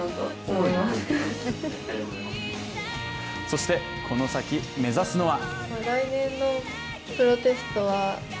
そして、この先目指すのは。